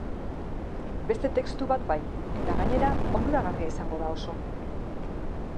Beste textu bat bai, eta gainera, onuragarria izango da oso.